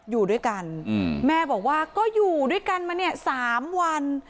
อยู่ด้วยกันแม่บอกว่าก็อยู่ด้วยกันมาเนี่ย๓วัน